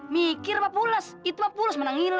mikir pak pules itu pak pules mana ngiler lagi